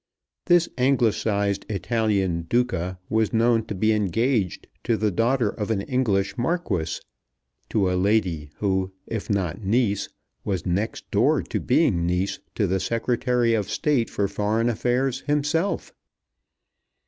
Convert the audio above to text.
This Anglicized Italian Duca was known to be engaged to the daughter of an English Marquis, to a lady who, if not niece, was next door to being niece to the Secretary of State for Foreign Affairs himself!